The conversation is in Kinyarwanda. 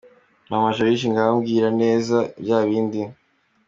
Mama: Joriji ngaho mbwira neza bya bindi!.